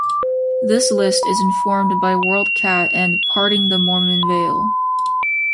This list is informed by Worldcat and "Parting the Mormon Veil".